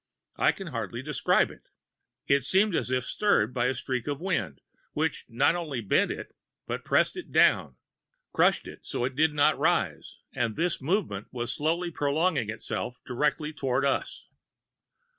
I can hardly describe it. It seemed as if stirred by a streak of wind, which not only bent it, but pressed it down crushed it so that it did not rise, and this movement was slowly prolonging itself directly toward us.